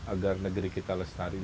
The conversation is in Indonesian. agar negeri kita lestari